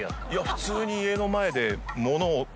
普通に家の前で。